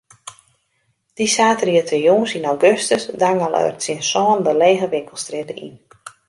Dy saterdeitejûns yn augustus dangele er tsjin sânen de lege winkelstrjitte yn.